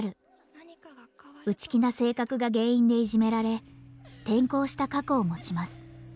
内気な性格が原因でいじめられ転校した過去を持ちます。